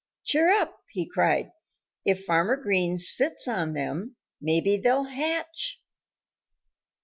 "Cheer up!" he cried. "If Farmer Green sits on them, maybe they'll hatch."